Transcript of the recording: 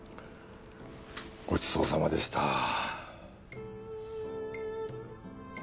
ごちそうさまでした。